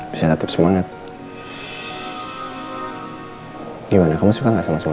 gimana kamu suka gak sama suami